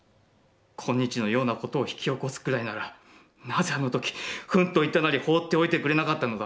今日の様な事を引き起すくらいなら、何故あの時、ふんといったなり放って置いてくれなかったのだ」。